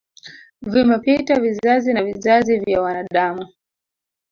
Vimepita vizazi na vizazi vya wanadamu